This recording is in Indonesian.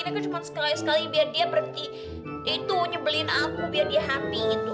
ini aku cuma sekali sekali biar dia berhenti itu nyebelin aku biar dia happyin